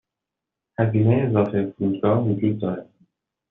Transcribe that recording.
هزینه اضافه فرودگاه وجود دارد.